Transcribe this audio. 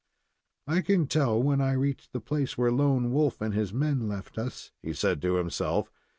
"I can tell when I reach the place where Lone Wolf and his men left us," he said to himself.